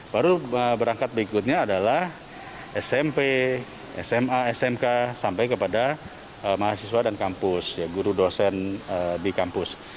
baru berangkat berikutnya adalah smp sma smk sampai kepada mahasiswa dan kampus guru dosen di kampus